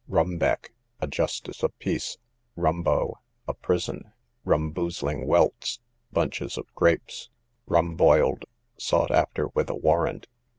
Rumbeck, a justice of peace. Rumbo, a prison. Rumboozling welts, bunches of grapes. Rumboyled, sought after with a warrant.